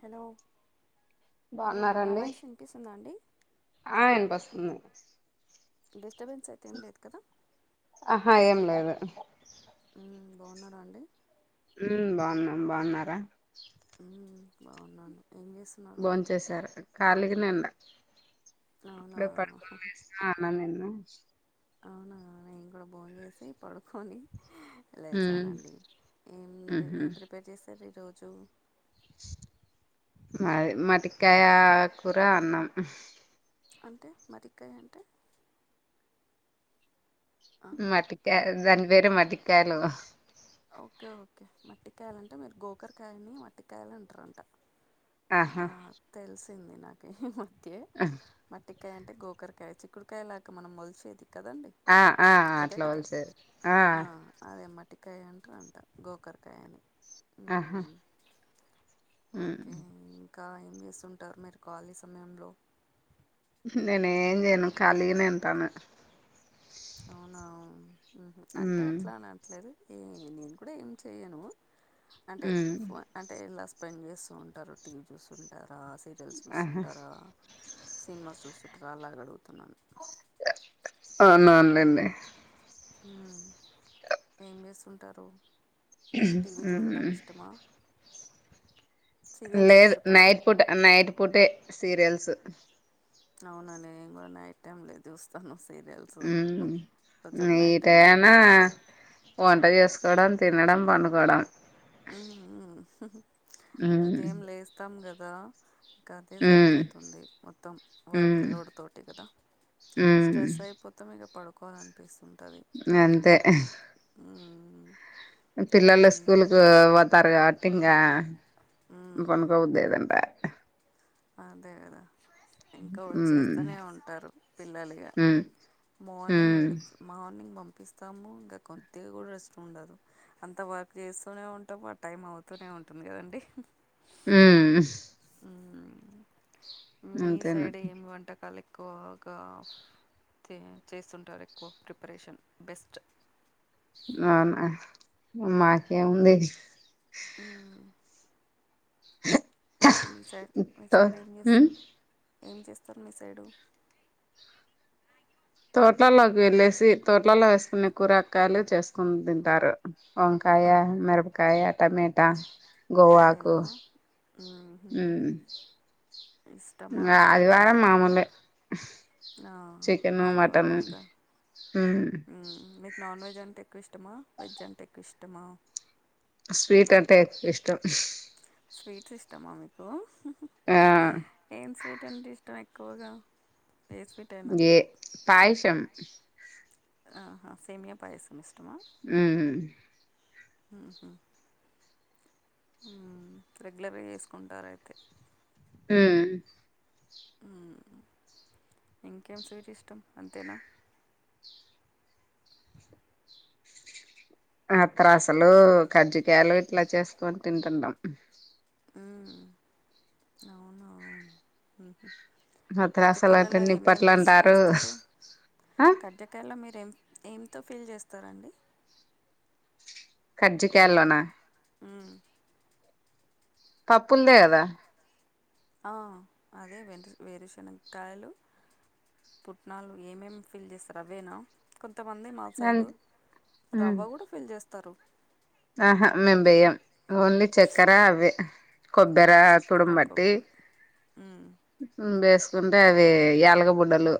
Hello ఆ నా బాగున్నారండి వాయిస్ ఇనిపిస్తుందా అండి ఆ ఇనిపిస్తుంది డిస్టర్బెన్స్ అయితే ఏం లేదు కదా ఆహా ఏం లేదు ఉమ్మ్ బాగున్నారాండి ఉమ్మ్ బాగున్నాం బాగున్నారా ఉమ్మ్ బాగున్నాను ఏం చే భోంచేశారా ఖాళీగానే ఉన్న అవునా ఆ అన్నం తిన్న అవునా నేను కూడా భోంచేసి పడుకొని ఉమ్ లేచానండి ఏం ఉహు ఏం ప్రిపేర్ చేశారు ఈరోజు మాది మటికాయ ఆకూర అన్నం అంటే మరికాయ అంటే ఆ, మటికాయ హలో దాని పేరే మటికాయలు ఓకే ఓకే మట్టికాయలంటే మీరు గోకరకాయని మట్టికాయలు అంటారంట ఆ ఆహా తెలిసింది నాకి ఈ మధ్యే మట్టి కాయంటే గోకరకాయ చిక్కుడుకాయ లాక మనం వలిసేది కదండి ఆ ఆ అదే అట్లా కదా వలిసేది ఆ అదే మట్టికాయ అంటారు అంట గోకరకాయని ఆహా ఓకే ఇంకా ఏం చేస్తుంటారు మీరు ఖాళీ సమయంలో నేను ఏం చేయను ఖాళీగానే ఉంటాను అవునా మ్మ్ఉహ్మ్ అంటే ఉమ్ అట్లనే అను ట్లేదు ఏ నేను కూడా ఏం చేయను అంటే ఉమ్ ఫోనే అంటే ఇలా స్పెండ్ చేస్తూ ఉంటారు టీవీ చూస్తుంటారా సీరియల్స్ ఆహా చూస్తుంటారా సినిమా చూస్తుంటార అలాగడుగుతున్నాను [unintelligible] హు ఏం చేేస్తుంటారు టీవీ చూడడం ఉమ్ ఇష్టమ లేదు నైట్ పూట నైట్ పూటే సీరియల్స్ అవునండి [unintelligible] నైట్ టై లో చూస్తాను సీరియల్స్ ఉమ్ కొంచం ఈ నైట్ టైమ్ లో టైనా అయితే వంట చేసుకోవడం తినడం పడుకోవడ [unintelligible] ఉమ్ ఉదయం లేస్తాం కదా ఇంకా అదే ఉమ్ సరిపోతుంది మొత్తం వర్క్ ఉమ్ లోడ్ తోటి కద ఉమ్ స్ట్రెస్ అయి పాతం మీగా పడుకోవాలని అని పిస్తుంటుంది అంతే ఆ పిలల స్కూలుకు వాతారు కాబట్టి ఇంగా మ్మ్ [unintelligible] అదే కదా ఇంక వచ్చేస్తూనే ఉంటారు పిల్లలిగ మార్నింగ్ పెడుతూ మార్నింగ్ పంపిస్తాము ఇంకా కొద్దిగా కూడా రెస్ట్ ఉండదు అంత వర్క్ చేస్తూనే ఉంటాం ఆ టైం అవుతూనే ఉంటుంది కదండి ఉ మీ అంతేనా సైడ్ ఏమి వంటకాల ఎక్కువగా చేస్తుంటారు ఎక్కువ ప్రిపరేషన్ చేస్తుంటారు బెస్ట్ అవునా మాకేముంది ఉ మీ సైడ్ మీ తో సైడ్ ఏం చేస్త ఉమ్ ఏం చేస్తారు మీ సైడు తోట్లలోకి వెళ్లేేసి తోట్లలో వేసుకునే కూరక్కయలు చేసుకుని తింటారు వంకాయ మిరపకాయ టమేటా [unintelligible] కు అవేనా ఇష్టమా ఇంగ అదివారం అవే మామూలే ఆ చికెను ఆదివారం మటను ఇగ హు మ్మ్ మీకు నాన్ వెజ్ అంటే ఎక్కువ ఇష్టమ వెజ్ అంటే ఎక్కువ ఇష్టమ స్వీట్ అంటే ఎక్కువ ఇష్టం స్వీట్స్ ఇష్టమ మీకు ఆ ఏం స్వీట్ అంటే ఇష్టం ఎక్కువగ ఏ పాయసం ఆహ సెమీయా పయసం ఇష్టమ ఉ ఆహా రెగ్యులర్గ చేసుకుంటారు అయితే ఉ ఇంకేం స్వీట్ ఇష్టం అంతేన అత్రసలు కజ్జికయలు ఇట్లా చేసుకొని తింటున్నాం ఉ అవున అత్రసలు అంటే కజ్జికాలలో నిప్పట్లు ఏమేమి ఏస్ అంటారు చేస్తారు ఆ కడ్జకాయలో మీరేం ఏం ఏంతో ఫిల్ చేస్తారండి కజ్జికాల్లోన ఆ పప్పు ఉందే కదా ఆ అదే వెరు వేరుశనకాయలు పుట్నాలు ఏమేం ఫిల్ చేస్తారు అవేనా కొంతమంది మా సైడు అంతే ఉమ్ రవ్వ కూడా ఫిల్ చేస్తారు ఆహా మేం వెయ్యం ఓన్లీ చక్కెర అవే కొబ్బెరా చక్కెర, తుడుంబట్టి కొబ్ హ్మ్. వేసుకుంటే అవి యాలగ బుడ్డలు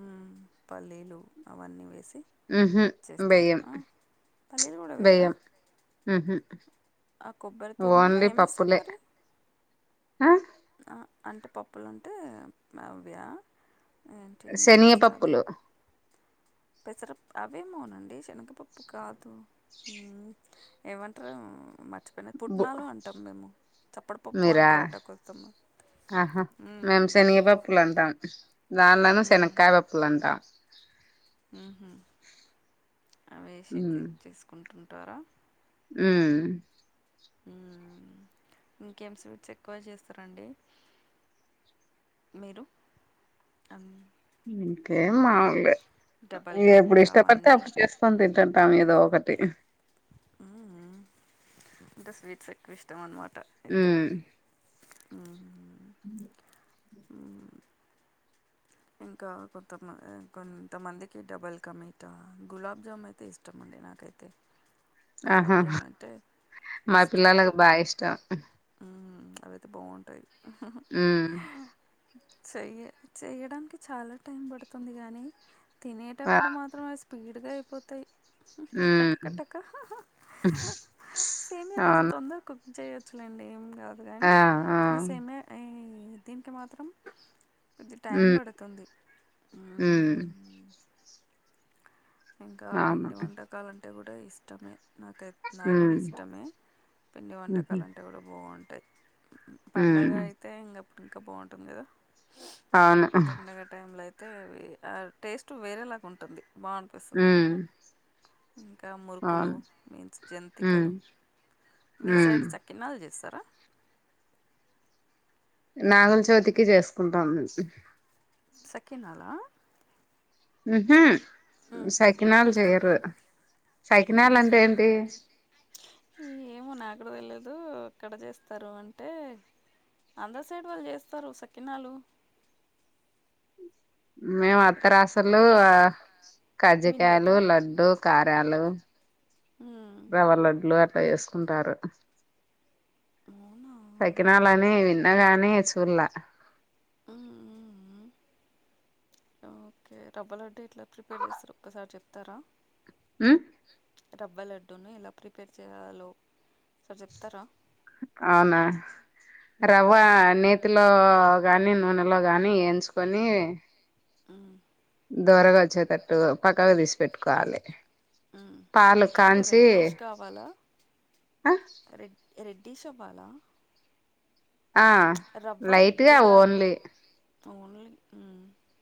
ఉమ్ పల్లీలు అవన్నీ వేసి ఉహు చేస్తావు బెయ్యం ఆ పల్లీలు కూడా వేయరా బెయ్యం ఉహు ఆ కొబ్బరి తురుమలో ఓన్లీ ఏమేస్తారు పప్పులే మరి ఆ అంటే పప్పులు ఉంటే అవ్యా ఏంటి శనిగ మీన్స్ అది పప్పులు పెసర అవేమోనండి శనగపప్పు కాదు ఏమంటరూ పోయిన బు పుట్నాలు అంటాము మేము చప్పడపప్పు మీరా అంటారట కొంత మంది ఆహా మేము శనగపప్పులు అంటాం దానిలోన శనకాయ పప్పులు అంటాం అ వేసి తీచేసుకుంటుంటారా ఆ ఆ ఇంకేం స్వీట్స్ ఎక్కువ చేస్తారండి మీరు అ ఇంకేం మాములే డబల్ కా ఎప్పుడు మీఠా ఇష్టపడితే అవన్నీ అప్పుడు చేస్ కొన్ తింటుంటాము ఏదో ఒకటి అంటే స్వీట్స్ ఎక్కువ ఇష్టం అన్నమా ఆ ఆ అ ఇంకా కొంతమ కొంతమందికి డబల్ క మీటా గులాబ్ జామున్ అయితే ఇస్ ష్టమండి నాకైతే ఆహా గులాబ్జామున్ అంటే మా ఇష్టం పిల్లలకు బాగా ఇష్టం ఉమ్ అవైతే బాగుంటాయి ఉమ్ చెయ్య చేయడానికి చాలా టైం పడుతుంది కానీ ఆ తినేటప్పుడు మాత్రం అవి స్పీడ్గా అయిపోతాయి టక్క హ్మ్ టక్క టక్క సేమే కొంచెం అవును తొందర కు చేయొచ్చులేండి ఏం కాదు కానీ ఆ ఆ ఈ సేమే దీనికి మాత్రం కొద్ది టైం హ్మ్ పడుతుంది హ్మ్ ఇంకా అవును పిండి వంటకాలు అంటే కూడా ఇష్టమే నాకై నాకు కూడా హ్మ్ ఇష్టమే పిండి హుహు వంటకాలు అంటే కూడా బాగుంటాయి పండగ హ్మ్ అయితే ఇంకప్పుడు ఇంకా బాగుంటుంది కదా అవును పండగ టైంలో అయి తే అవి ఆ టేస్ట్ వేరేలాగా ఉంటుంది బాగు ఆ ఇంకా మురుకులు మీన్స్ హ్మ్ జంతికలు మీ హ్మ్ సైడ్ చక్క తిన్నాక చేస్తారా నాగులచవితికి చేసుకుంటాం అండి సకినాల ఉహు సకినాలు చెయరు సకినాలు ఊహు అంటే ఏంటి ఏమో నాకుడ తెలియదు ఎక్కడ చేస్తారు అంటే ఆంధ్రా సైడ్ వాళ్ళు చేస్తారు సకినాలు మేము అత్తరా అసలు కజ్జకాయలు వినలేదా లడ్డు కారాలు హ్మ్. రవ లడ్లు అట్లా చేసుకుంటారు అవున సకినాలని విన్నగాని చూలే ఉహు ఓకే రవ్వ లడ్డు ఇట్లా ప్రిపేర్ చేస్తారు ఒకసారి చెప్తారా ఉ రవ్వ లడ్డూను ఎలా ప్రిపేర్ చేయాలో ఒకసారి చెప్తారా అవునా రవ్వ హ్మ్. నే నేత్తిలో గాని నూనెలో గాని వేయించుకొని ఉ దోరగా వచ్చేటట్టు పక్కన తీసి పెట్టుకోవాలి హ్మ్. పాలు అంటే కాంచి రెడ్డిష్ కావాలా? ఆ రెడ్ రెడ్డిష్ అవ్వలా ఆ రవ్వ లైట్గా రెడ్డుగా ఇవ్వ ఓన్లీ ఓన్లీ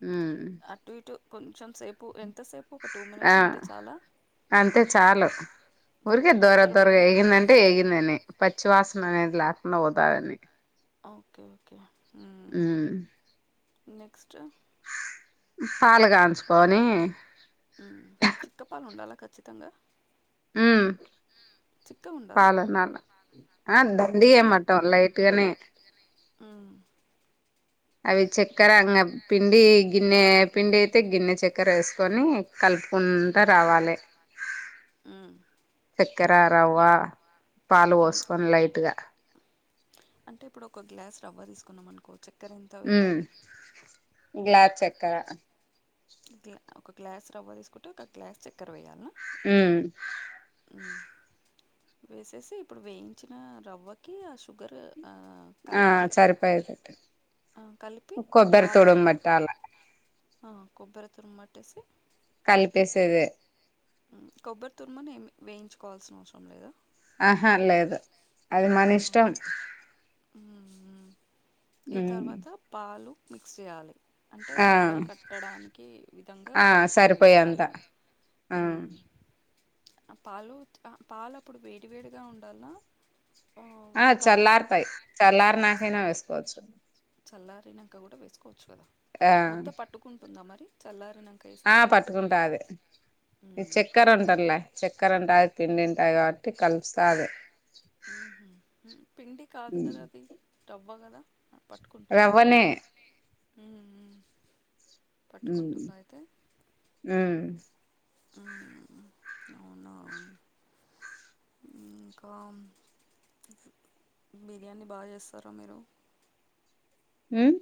ఉ టు ఇటు కొంచెం సేపు ఎంతసేపు ఒక టూ ఆ మినిట్స్ అంటే చాలా అంటే చాలు ఊరికే దోర దోర వేగిందంటే వేగిందని పచ్చివాసన అనేది లేకుండా పోతందని ఓకే ఓకే మ్మ్ ఉ నెక్స్ట్ పాలుగా పాలు కాచుకొని ఆ చిక్క పాలు ఉండాలా ఖచ్చితంగా ఉ పాలన దండిగన వెయ్యమంటావా లైట్గానే ఉ అవి చక్కెర అంగ పిండి గిన్నె పిండి అయితే గిన్నె చక్కెర వేసుకొని కలుపుకుంటా రావాలి ఉ చక్కెర రవ్వ పాలు పోసుకొని లైట్ గా అంటే ఇప్పుడు ఒక గ్లాస్ రవ్వ తీసుకున్నాం అనుకో చక్కర ఎంత ఉమ్ వేయ్యాలి గ్లాస్ చక్కెర గ్లా ఒక గ్లాస్ రవ్వ తీసుకుంటే ఒక గ్లాస్ చక్కర వేయ్యాల ఉ వేసేసి ఇప్పుడు వేయించిన రవ్వకి ఆ షుగర్ ఆ ఆ కలపాలి సరిపోయేటట్టు కలిపి కొబ్బరి పాలు తురుము పట్టాల కొబ్బరి తురుమాట్టేసి కలిపేసేదే మ్మ్ కొబ్బరి తుర్మను ఏమి వేయించుకోవాల్సిన అవసరం లేదా ఆహా లేదు అది మనిష్టం మ్మ్ మ్మ్ ఈ ఉమ్ తర్వాత పాలు మిక్స్ చేయాలి అంటే ఆ ఉండలు కట్టడానికి విధంగా ఆ కలుపుతూ మిక్స్ సరిపోయేంత చేయాలేమో ఆ ఉమ్ ఆ పాలు పాలు అప్పుడు వేడి వేడిగా ఉండాలనా ఆ చల్లార్తాయి చల్లార్ నాకైనా వేసుకోవచ్చు చల్లారినంక కూడా వేసుకోవచ్చు కదా ఆ ముద్ద పట్టుకుంటుందా మరి చల్లారినంక ఆ పట్టుకుంటాది ఈ ఉమ్ చక్కర ఓకే ఉంటార్లే చక్కర ఉంటాయి తిండింటాయి కాబట్టి కలుస్తాది మ్మ్ హు పిండి కాదు కదా అది రవ్వ కదా పట్టుకుంటుందా రవ్వనే మ్మ్ మ్మ్ పట్టుకుంటుందా అయితే మ్మ్ మ్మ్. అవునా ఇంకా బిర్యానీ బాగా చేస్తారా మీరు మ్మ్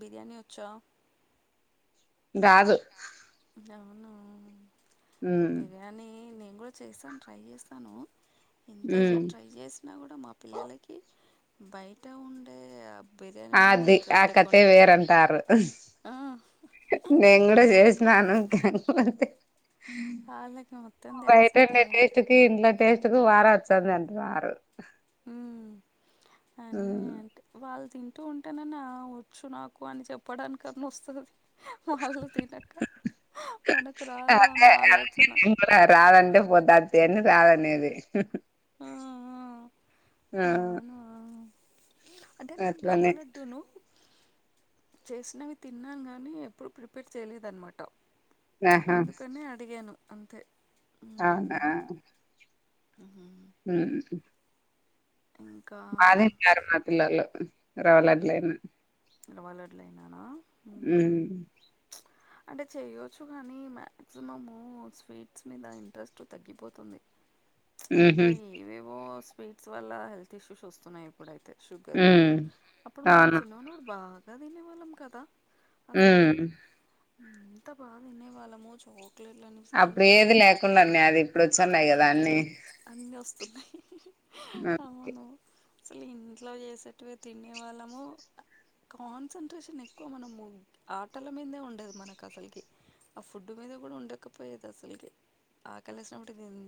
బిర్యానీ వచ్చా రాదు అవునా మ్మ్ కానీ నేను కూడా చేసాను ట్రై చేస్తాను ఇంత చేయ్ ఉమ్ ట్రై చేసి అయినా కూడా మా పిల్లలకి బయట ఉండే అబ్ బిర్యానీ మిందే అది ఆ ఇంట్రెస్ట్ ఎక్కువ కథే ఉంటాది వేరంటారు నేను గూడా చేసినాను కానిపోతే వాళ్ళకి మొత్తం ధ్యాస బయటుండే అదే టేస్ట్కి ఇంట్లో టేస్ట్కి వార వస్తాందంట వారు మ్మ్ అని ఉమ్ అంటే వాళ్ళు తింటూ ఉంటానన్న వచ్చు నాకు అని చెప్పడానికన్నా వస్తదది వాళ్ళు తినక మనకు రాదు అదే అన్న అందుకే ఆలోచన నేను రాదంటే పొద్దాచే అని రాదనేది ఆ ఆ మ్మ్ అవునా అంటే మేము అట్లనే రవ్వలడ్డును చేసినవి తిన్నాను గానీ ఎప్పుడు ప్రిపేర్ చేయలేదన్నమాట ఆహా అందుకనే అడిగాను అంతే అవునా మ్మ్ మ్మ్ మ్మ్ బా తిన్నారు మా పిల్లలు రవలడ్లయినా రవ్వ లడ్లయినాన మ్మ్ హు హ్మ్. అంటే చేయొచ్చు కానీ మ్యాక్సిమము స్వీట్స్ మీద ఇంట్రెస్ట్ తగ్గిపోతుంది అంటే హుహు. ఏవేవో స్వీట్స్ వల్ల హెల్త్ ఇష్యూస్ వస్తున్నాయి ఇప్పుడైతే షుగర్ వల్ల హ్మ్. అప్పుడు మనం అవును. చిన్నగున్నవ్వుడు బాగా తినేవాళ్ళం కదా అసలకీ హ్మ్. ఎంత బాగా తినే వాళ్ళము చాక్లెట్లని అప్పుడు అంటే ఏది ఇంట్లో లేకుండానే అది ఇప్పుడు వచ్చన్నాయి కదా అన్నీ అన్నీ వస్తున్నాయి ఆ అవును అసలు ఇంట్లో చేసేట్వే తినే వాళ్ళము కాన్సంట్రేషన్ ఎక్కువ మనం ఆటల మీదే ఉండేది మనకు అసలుకి ఆ ఫుడ్ మీద కూడా ఉండకపోయేది అసలుకి ఆకలి వేసినప్పుటి తి